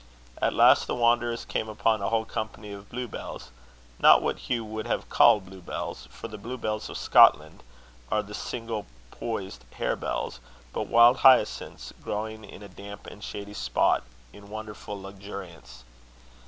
At last the wanderers came upon a whole company of bluebells not what Hugh would have called bluebells, for the bluebells of Scotland are the single poised harebells but wild hyacinths, growing in a damp and shady spot, in wonderful luxuriance.